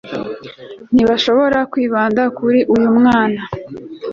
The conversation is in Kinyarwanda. ntibashobora kwibanda kuri uyu mwana